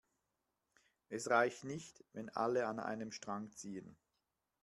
Es reicht nicht, wenn alle an einem Strang ziehen.